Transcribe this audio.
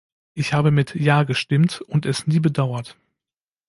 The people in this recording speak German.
Ich habe mit "Ja" gestimmt und es nie bedauert.